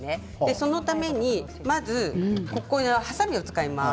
そのために、はさみを使います。